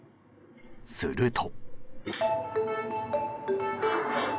すると。